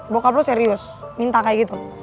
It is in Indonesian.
bukan lo serius minta kayak gitu